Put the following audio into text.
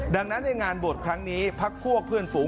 ดังนั้นในงานบวชครั้งนี้พักพวกเพื่อนฝูง